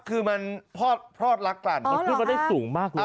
คือมันพลอดรักกันมันขึ้นมาได้สูงมากคุณผู้ชม